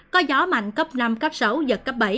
có gió mạnh cấp năm cấp sáu giật cấp bảy